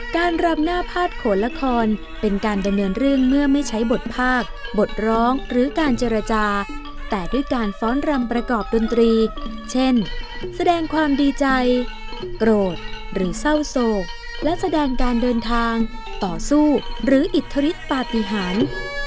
รำหน้าพาดโขนละครเป็นการดำเนินเรื่องเมื่อไม่ใช้บทภาคบทร้องหรือการเจรจาแต่ด้วยการฟ้อนรำประกอบดนตรีเช่นแสดงความดีใจโกรธหรือเศร้าโศกและแสดงการเดินทางต่อสู้หรืออิทธิฤทธิปาติหาร